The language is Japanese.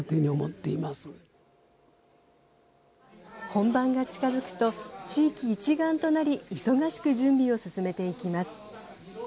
本番が近づくと地域一丸となり忙しく準備を進めていきます。